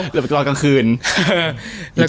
หรือตอนกลางคืนนี้